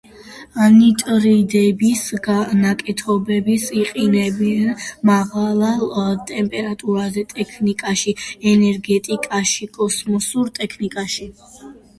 ნიტრიდების ნაკეთობებს იყენებენ მაღალ ტემპერატურულ ტექნიკაში, ენერგეტიკაში, კოსმოსურ ტექნიკაში.